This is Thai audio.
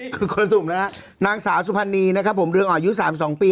คือคนสุ่มนะฮะนางสาวสุพรรณีนะครับผมเรืองอ่อนอายุ๓๒ปี